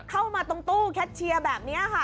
เข้ามาตรงตู้แคทเชียร์แบบนี้ค่ะ